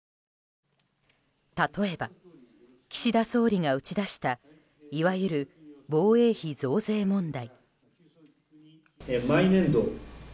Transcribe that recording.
例えば、岸田総理が打ち出したいわゆる防衛費増税問題。